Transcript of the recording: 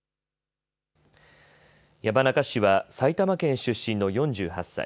山中氏は埼玉県出身の４８歳。